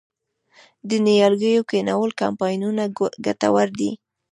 د نیالګیو کینول کمپاینونه ګټور دي؟